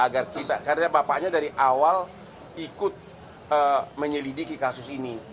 karena bapaknya dari awal ikut menyelidiki kasus ini